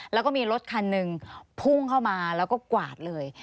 แล้วก็มีรถคันหนึ่งพุ่งเข้ามาแล้วก็กวาดเลย